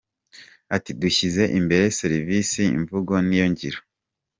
Ati “ Dushyize imbere serivisi; imvugo ni yo ngiro.